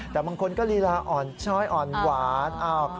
แต่บางคนก็ลีลาอ่อนช้อยอ่อนหวาน